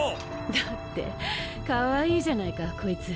だってかわいいじゃないかこいつ。